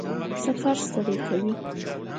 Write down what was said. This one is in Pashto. سفر ستړی کوي؟